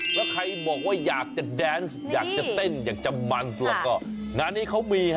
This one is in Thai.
แล้วใครบอกว่าอยากจะแดนซ์อยากจะเต้นอยากจะมันแล้วก็งานนี้เขามีฮะ